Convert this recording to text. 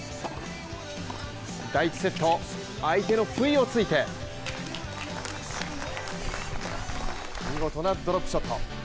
第１セット、相手の不意をついて見事なドロップショット。